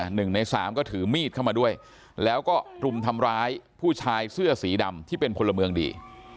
หนึ่งในสามก็ถือมีดเข้ามาด้วยแล้วก็รุมทำร้ายผู้ชายเสื้อสีดำที่เป็นพลเมืองดี